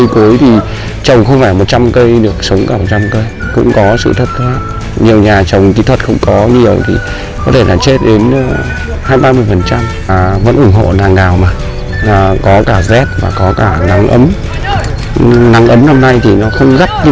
phần trăm và vẫn ủng hộ làng nào mà có cả z và có cả nắng ấm nắng ấm năm nay thì nó không rất như